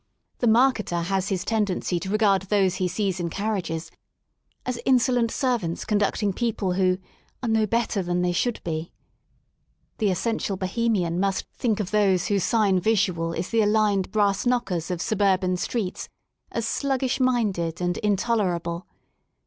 The marketer has i8 m 4 FROM A DISTANCE tendency to regard those he sees in carriages as insol ent servants conducting people who *'are no better than they should be." The essential Bohemian must think of those whose sign visual is the aligned brass knockers of suburban streets, as sluggish minded and intolerable.